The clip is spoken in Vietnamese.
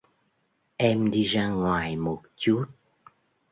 Em đi ra ngoài một chút